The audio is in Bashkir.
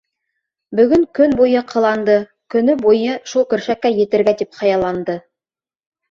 Бөгөн көн буйы ҡыланды, көнө буйы шул көршәккә етергә тип хыялланды.